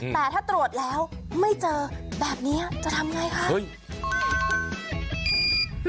แต่ถ้าตรวจแล้วไม่เจอแบบนี้จะทำไงคะ